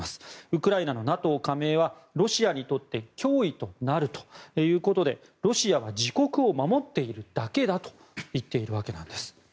ウクライナのＮＡＴＯ加盟はロシアにとって脅威となるということでロシアは自国を守っているだけだと言っているわけです。